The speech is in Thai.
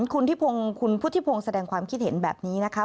คุณพุทธิพงศ์แสดงความคิดเห็นแบบนี้นะคะ